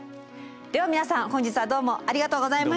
では皆さん本日はどうもありがとうございました！